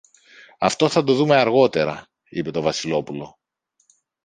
Αυτό θα το δούμε αργότερα, είπε το Βασιλόπουλο.